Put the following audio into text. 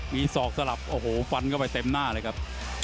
มีศอกสลับโอ้โหฟันเข้าไปเต็มหน้าเลยครับ